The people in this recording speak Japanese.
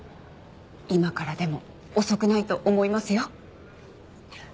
今からでも遅くないと思いますよ。